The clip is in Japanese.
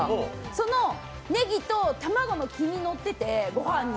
そのねぎと卵の黄身がのっててごはんに。